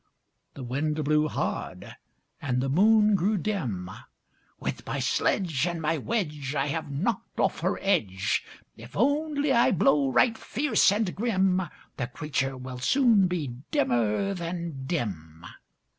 The Wind blew hard, and the Moon grew dim. "With my sledge, And my wedge, I have knocked off her edge! If only I blow right fierce and grim, The creature will soon be dimmer than dim."